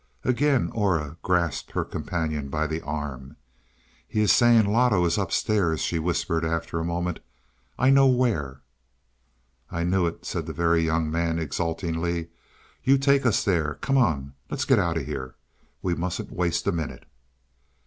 Again Aura grasped her companion by the arm. "He is saying Loto is upstairs," she whispered after a moment. "I know where." "I knew it," said the Very Young Man exultingly. "You take us there. Come on let's get out of here we mustn't waste a minute."